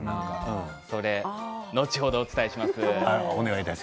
それは後ほどお伝えします。